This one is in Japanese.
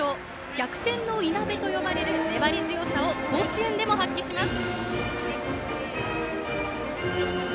逆転のいなべと呼ばれる粘り強さを甲子園でも発揮します。